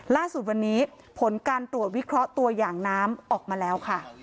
ล่าสุดวันนี้ผลการตรวจวิเคราะห์ตัวอย่างน้ำออกมาแล้วค่ะ